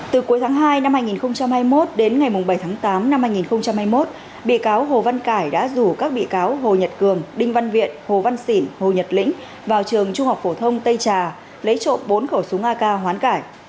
từ cuối tháng hai năm hai nghìn hai mươi một đến ngày bảy tháng tám năm hai nghìn hai mươi một bị cáo hồ văn cải đã rủ các bị cáo hồ nhật cường đinh văn viện hồ văn xỉn hồ nhật lĩnh vào trường trung học phổ thông tây trà lấy trộm bốn khẩu súng ak hoán cải